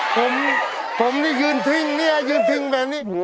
ผมผมนี่ยืนทิ้งเนี่ยยืนทิ้งแบบนี้